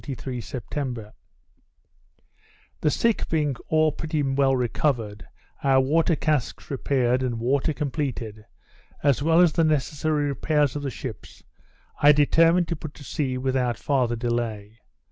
1773 September The sick being all pretty well recovered, our water casks repaired, and water completed, as well as the necessary repairs of the ships, I determined to put to sea without farther delay.